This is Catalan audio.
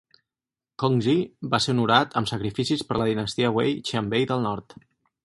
Kongzi va ser honorat amb sacrificis per la dinastia Wei Xianbei del Nord.